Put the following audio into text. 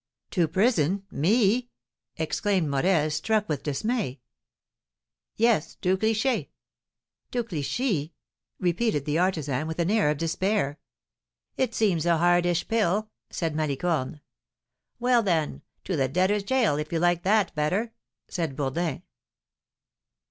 "To prison! me?" exclaimed Morel, struck with dismay. "Yes, to Clichy." "To Clichy?" repeated the artisan, with an air of despair. "It seems a hardish pill," said Malicorne. "Well, then, to the debtors' jail, if you like that better," said Bourdin.